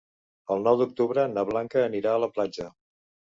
El nou d'octubre na Blanca anirà a la platja.